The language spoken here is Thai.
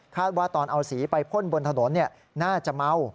ว่าตอนเอาสีไปพ่นบนถนนน่าจะเมา